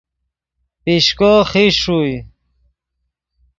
پیشکو خیش ݰوئے